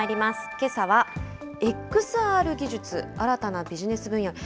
けさはＸＲ技術、新たはビジネス分野にも。